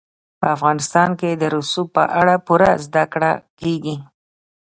په افغانستان کې د رسوب په اړه پوره زده کړه کېږي.